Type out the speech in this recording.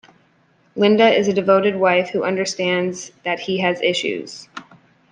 Linda is a devoted wife who understands that he has issues.